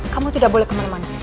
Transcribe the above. kamu tidak boleh kemana mana